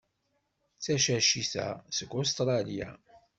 Tacacit-a seg Ustṛalya.